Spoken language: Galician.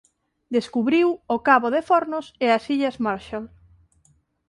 Descubriu o cabo de Fornos e as illas Marshall.